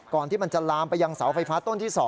ที่มันจะลามไปยังเสาไฟฟ้าต้นที่๒